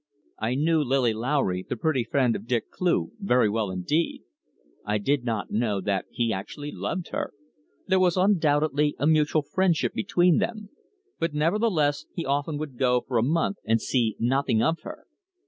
I knew Lily Lowry, the pretty friend of Dick Cleugh, very well indeed. I did not know that he actually loved her. There was undoubtedly a mutual friendship between them, but nevertheless he often would go for a month and see nothing of her.